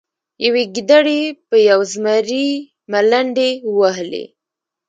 یوې ګیدړې په یو زمري ملنډې وهلې.